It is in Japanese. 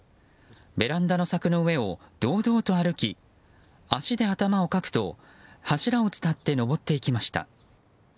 ベランダの柵の上を堂々と歩き足で頭をかくと柱を伝って登っていきました。